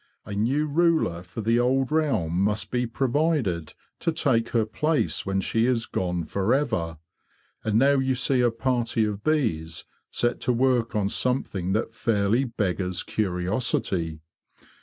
A new ruler for the old realm must be provided to take her place when she is gone for ever; and now you see a party of bees set to work on something that fairly beggars curiosity.